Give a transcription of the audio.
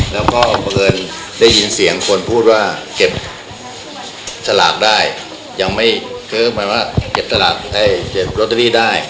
แล้วก็บังเอิญได้ยินเสียงคนพูดว่าเก็บสลากได้ยังไม่คือหมายว่าเก็บตลาดได้เก็บลอตเตอรี่ได้